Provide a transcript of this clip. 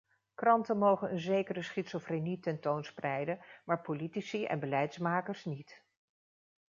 Kranten mogen een zekere schizofrenie ten toon spreiden, maar politici en beleidsmakers niet.